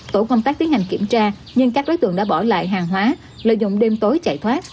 tổ công tác tiến hành kiểm tra nhưng các đối tượng đã bỏ lại hàng hóa lợi dụng đêm tối chạy thoát